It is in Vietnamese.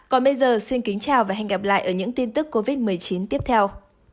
còn bây giờ xin kính chào và hẹn gặp lại ở những tin tức covid một mươi chín tiếp theo